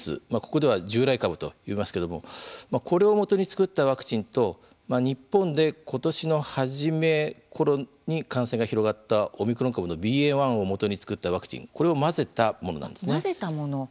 ここでは「従来株」と言いますけれどもこれをもとに作ったワクチンと日本で今年の初めころに感染が広がったオミクロン株の「ＢＡ．１」をもとに作ったワクチンこれを混ぜたものなんです。